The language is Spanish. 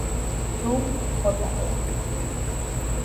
Trump Jr.